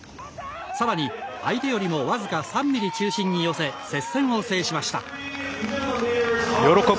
さらに相手よりもわずか３ミリ中心に寄せ接戦を制しました。